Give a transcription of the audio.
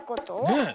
ねえ。